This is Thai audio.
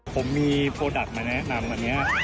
ผมมีโปรดักต์มาแนะนำอันนี้